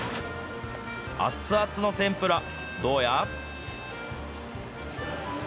熱々の天ぷら、どうや？